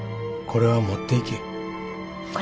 これ持っていき。